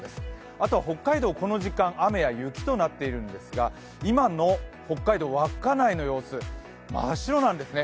あとは北海道、この時間、雨や雪となっていますが今の北海道稚内の様子真っ白なんですね。